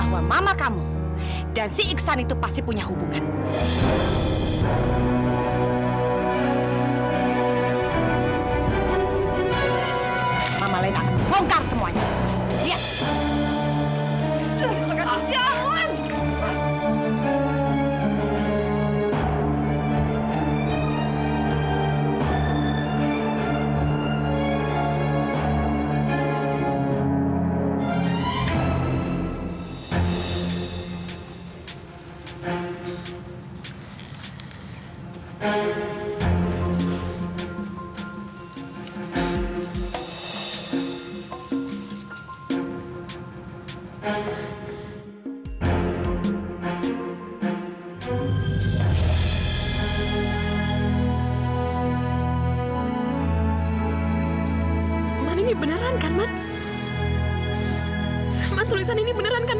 harman aku gak mimpikan man